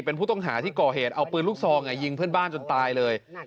เป็นผู้ต้องหาที่ก่อเหตุเอาปืนลูกซองยิงเพื่อนบ้านจนตายเลย